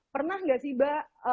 pernah nggak sih mbak